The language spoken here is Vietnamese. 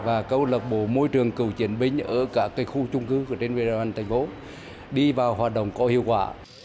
và câu lạc bộ môi trường cựu chiến binh ở cả cái khu trung cư trên vệ đoàn thành phố đi vào hoạt động có hiệu quả